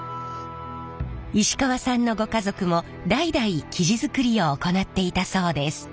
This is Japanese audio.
石川さんのご家族も代々木地作りを行っていたそうです。